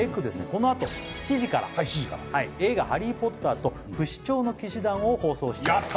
このあと７時からはい７時から映画「ハリー・ポッターと不死鳥の騎士団」を放送しちゃいます